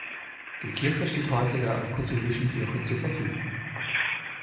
Die Kirche steht heute der Altkatholischen Kirche zur Verfügung.